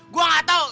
gua gak tau